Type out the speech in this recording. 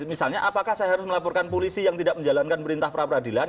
misalnya apakah saya harus melaporkan polisi yang tidak menjalankan perintah peradilan